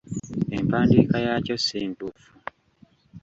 Empandiika yaakyo si ntuufu.